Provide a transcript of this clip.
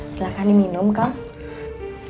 silahkan diminum kak